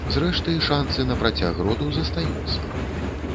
Зрэшты, шанцы на працяг роду застаюцца.